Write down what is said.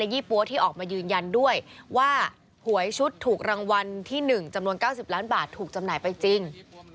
ี่ปั๊วที่ออกมายืนยันด้วยว่าหวยชุดถูกรางวัลที่๑จำนวน๙๐ล้านบาทถูกจำหน่ายไปจริง